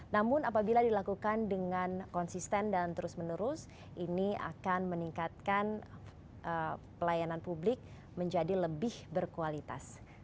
namun apabila dilakukan dengan konsisten dan terus menerus ini akan meningkatkan pelayanan publik menjadi lebih berkualitas